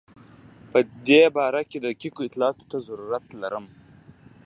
په دې باره کې دقیقو اطلاعاتو ته ضرورت لرم.